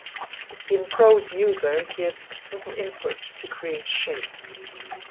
In Pro's user gives a simple input to create a shape.